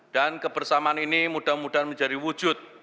dan kebersamaan ini mudah mudahan menjadi wujud